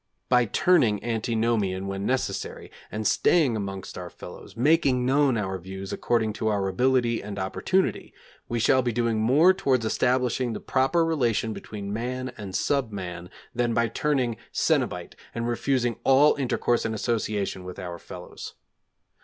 By turning antinomian when necessary and staying amongst our fellows, making known our views according to our ability and opportunity, we shall be doing more towards establishing the proper relation between man and sub man than by turning cenobite and refusing all intercourse and association with our fellows.